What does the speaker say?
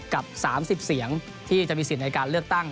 กับสามสิบเสียงที่จะมีสินในการเลือกตั้ง